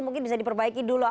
mungkin bisa diperbaiki dulu